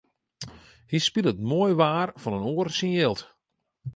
Hy spilet moai waar fan in oar syn jild.